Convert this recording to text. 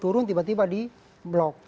turun tiba tiba di blok